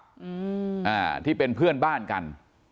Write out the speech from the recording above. อ่าที่เป็นเพื่อนบ้านกัน